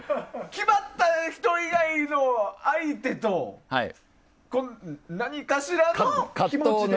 決まった人以外の相手と何かしらの気持ちと。